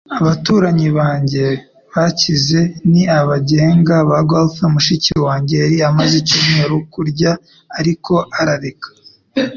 Abaturanyi banjye bakize ni abigenga ba golf. Mushiki wanjye yari amaze icyumweru kurya, ariko arareka.